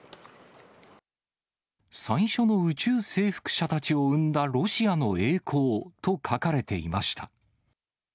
最初の宇宙征服者たちを生んだロシアの栄光と書かれていました。